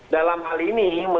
dalam hal ini